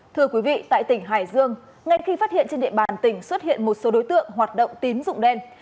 thưa quý vị tại tỉnh hải dương ngay khi phát hiện trên địa bàn tỉnh xuất hiện một số đối tượng hoạt động tín dụng đen